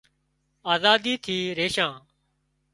آزادي ٿي ريشان